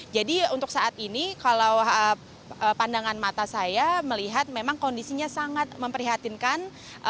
jadi untuk saat ini kalau pandangan mata saya melihat memang kondisinya sangat memprihatinkan